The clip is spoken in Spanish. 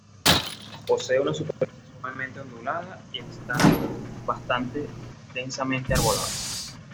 Posee una superficie suavemente ondulada y está bastante densamente arbolado.